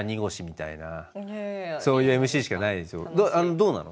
どうなの？